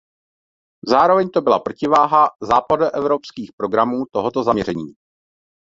Zároveň to byla protiváha západoevropských programů tohoto zaměření.